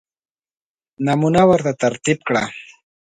نمونه ورته ترتیب کړه.